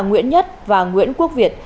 nguyễn nhất và nguyễn quốc việt